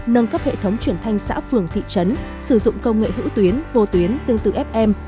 nâng cấp hệ thống truyền thanh xã phường thị trấn sử dụng công nghệ hữu tuyến vô tuyến tương tự fm